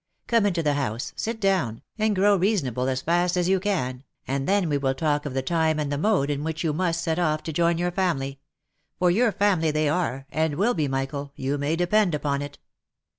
Come into the house, sit down, and grow reasonable as fast as you can, and then we will talk of the time and the mode in which you must set off to join your family — for your family they are, and will be, Michael, you may depend upon it."